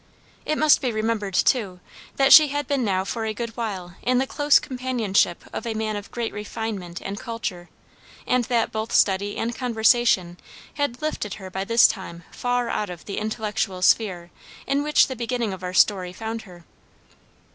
It must be remembered, too, that she had been now for a good while in the close companionship of a man of great refinement and culture, and that both study and conversation had lifted her by this time far out of the intellectual sphere in which the beginning of our story found her.